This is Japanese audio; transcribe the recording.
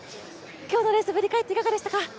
今日のレースを振り返っていかがでしたか？